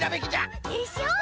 でしょう？